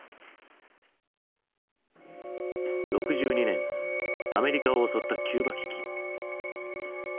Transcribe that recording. ６２年アメリカを襲ったキューバ危機。